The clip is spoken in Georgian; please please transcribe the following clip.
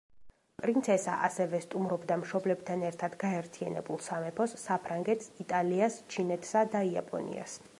პრინცესა ასევე სტუმრობდა მშობლებთან ერთად გაერთიანებულ სამეფოს, საფრანგეთს, იტალიას, ჩინეთსა და იაპონიას.